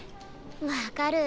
分かる。